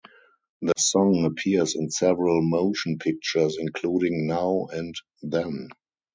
The song appears in several motion pictures including Now and Then.